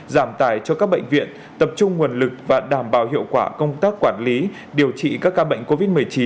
giảm tài cho các bệnh viện tập trung nguồn lực và đảm bảo hiệu quả công tác quản lý điều trị các ca bệnh covid một mươi chín